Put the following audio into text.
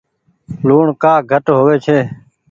لوڻ ڪآ گھٽ هووي ڇي۔